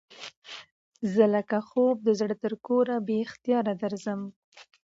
زه لکه خوب د زړه تر کوره بې اختیاره درځم